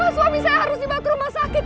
suami saya harus dibawa ke rumah sakit